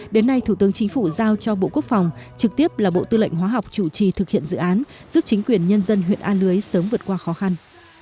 đến nay thủ tướng chính phủ giao cho bộ quốc phòng trực tiếp là bộ tư lệnh hóa học chủ trì thực hiện dự án giúp chính quyền nhân dân huyện a lưới sớm vượt qua khó khăn